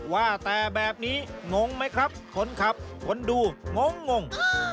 ว่าแต่แบบนี้งงไหมครับคนขับคนดูงง